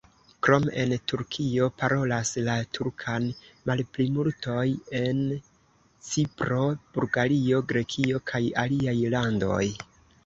Krom en Turkio, parolas la turkan malplimultoj en Cipro, Bulgario, Grekio kaj aliaj landoj.